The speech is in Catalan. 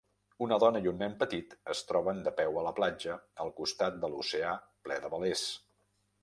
Una dona i un nen petit es troben de peu a la platja, al costat de l'oceà ple de velers.